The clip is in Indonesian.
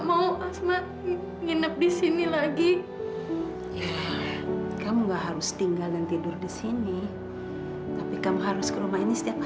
asmat asal ini mama